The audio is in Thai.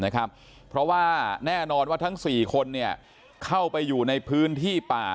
เพราะว่าแน่นอนว่าทั้ง๔คนเข้าไปอยู่ในพื้นที่ป่า